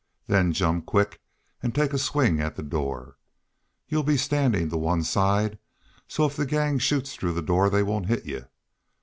Then jump quick an' take a swing at the door. Y'u 'll be standin' to one side, so if the gang shoots through the door they won't hit y'u.